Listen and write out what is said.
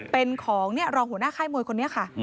เป็นของรองหัวหน้าค่ายมวยคนนี้ค่ะ